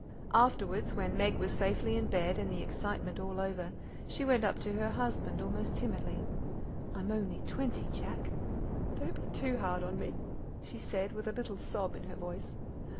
Afterwards, when Meg was safely in bed and the excitement all over, she went up to her husband almost timidly. "I'm only twenty; Jack; don't be too hard on me!" she said with a little sob in her voice.